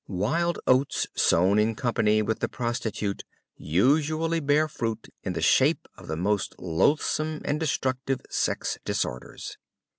"Wild oats" sown in company with the prostitute usually bear fruit in the shape of the most loathsome and destructive sex disorders.